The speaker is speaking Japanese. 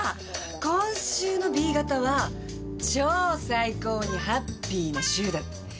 「今週のＢ型は超最高にハッピーな週」だって。